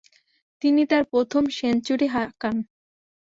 তিনি তার প্রথম সেঞ্চুরি হাঁকান।